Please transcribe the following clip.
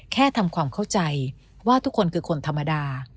แค่ทำความเข้าใจว่าทุกคนคือคนธรรมดา